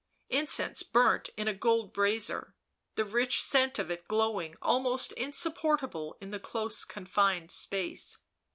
Incense burnt in a gold brazier, the rich scent of it growing almost insupportable in the close confined space.